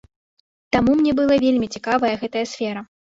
Таму мне была вельмі цікавая гэтая сфера.